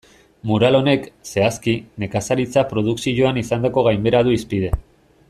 Mural honek, zehazki, nekazaritza produkzioan izandako gainbehera du hizpide.